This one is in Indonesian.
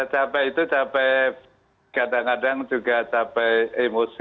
capek itu capek kadang kadang juga capek emosi